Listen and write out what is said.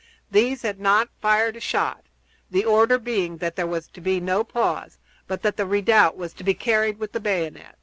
These had not fired a shot, the order being that there was to be no pause, but that the redoubt was to be carried with the bayonet.